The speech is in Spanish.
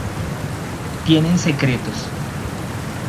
Tienen secretos.